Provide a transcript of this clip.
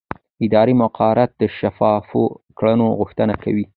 اداري مقررات د شفافو کړنو غوښتنه کوي.